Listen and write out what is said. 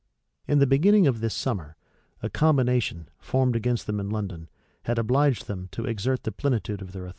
In the beginning of this summer, a combination, formed against them in London, had obliged them to exert the plenitude of their authority.